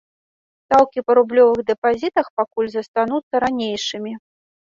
Стаўкі па рублёвых дэпазітах пакуль застануцца ранейшымі.